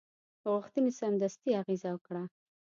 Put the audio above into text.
غوښتنې سمدستي اغېزه وکړه.